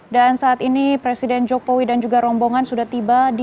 dan saat ini presiden jokowi dan juga rombongan sudah tiba di desa cijedil